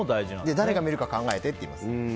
誰が見るか考えてって言います。